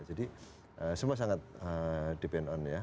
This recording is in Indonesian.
jadi semua sangat depend on ya